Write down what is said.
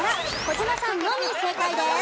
児嶋さんのみ正解です。